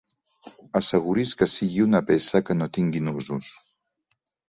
Asseguri's que sigui una peça que no tingui nusos.